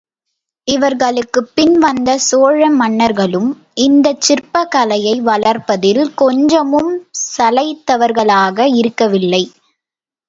இவர்களுக்குப் பின் வந்த சோழ மன்னர்களும் இந்தச் சிற்பக் கலையை வளர்ப்பதில் கொஞ்சமும் சளைத்தவர்களாக இருக்கவில்லை.